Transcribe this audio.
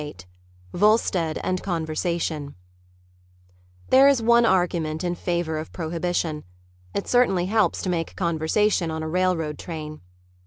XXVIII VOLSTEAD AND CONVERSATION There is one argument in favor of Prohibition. It certainly helps to make conversation on a railroad train.